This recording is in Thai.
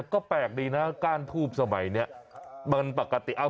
ก็แปลกดีนะก้านทูบสมัยเนี่ย